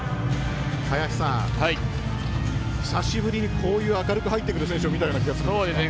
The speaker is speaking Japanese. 林さん、久しぶりにこういう明るく入ってくる選手を見たような気がします。